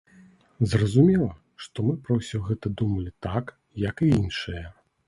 Зразумела, што мы пра ўсё гэта думалі так, як і іншыя.